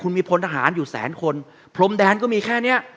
มีพลทหารอยู่แสนคนพรมแดนก็มีแค่เนี้ย